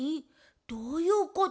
どういうこと？